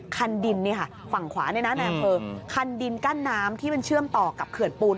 คันดินฝั่งขวาในอำเภอคันดินกั้นน้ำที่มันเชื่อมต่อกับเขื่อนปูน